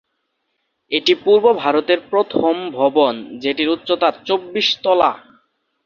এটি পূর্ব ভারতের প্রথম ভবন যেটির উচ্চতা চব্বিশ তলা।